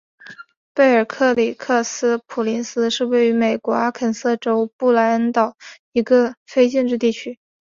贝尔克里克斯普林斯是位于美国阿肯色州布恩县的一个非建制地区。